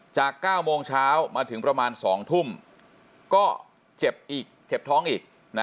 ๙โมงเช้ามาถึงประมาณ๒ทุ่มก็เจ็บอีกเจ็บท้องอีก